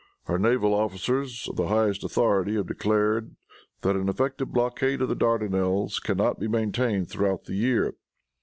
Our naval officers, of the highest authority, have declared that an effective blockade of the Dardanelles can not be maintained throughout the year.